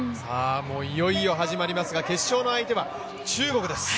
いよいよ始まりますが決勝の相手は中国です。